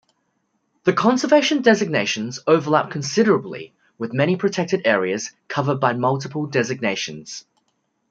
The conservation designations overlap considerably with many protected areas covered by multiple designations.